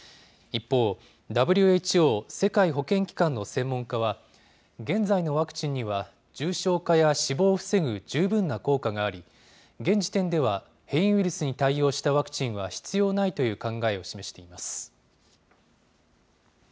一方、ＷＨＯ・世界保健機関の専門家は、現在のワクチンには重症化や死亡を防ぐ十分な効果があり、現時点では変異ウイルスに対応したワクチンは必要ないという考えを示しています。